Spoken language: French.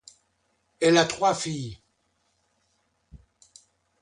Elle a trois filles.